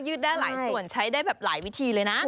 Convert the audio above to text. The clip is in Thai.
ได้หลายส่วนใช้ได้แบบหลายวิธีเลยนะ